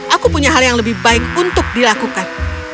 aku punya hal yang lebih baik untuk dilakukan